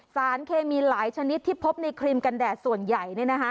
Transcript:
สารเคมีหลายชนิดที่พบในครีมกันแดดส่วนใหญ่